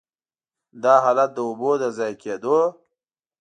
دا حالت د اوبو د ضایع کېدو.